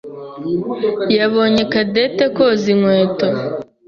yabonye Cadette koza inkweto.